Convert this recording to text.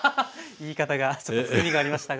言い方がちょっと含みがありましたが。